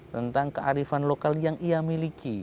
tentang kearifan lokal yang ia miliki